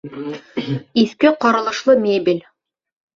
Иҫке ҡоролошло мебель